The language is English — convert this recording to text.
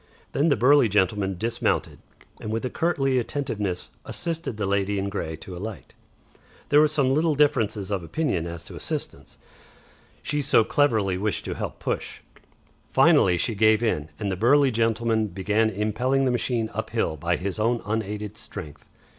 Then the burly gentleman dismounted, and with a courtly attentiveness assisted the lady in grey to alight. There was some little difference of opinion as to assistance, she so clearly wished to help push. Finally she gave in, and the burly gentleman began impelling the machine up hill by his own unaided strength.